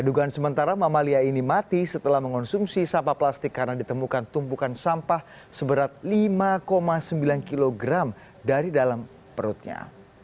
dugaan sementara mamalia ini mati setelah mengonsumsi sampah plastik karena ditemukan tumpukan sampah seberat lima sembilan kg dari dalam perutnya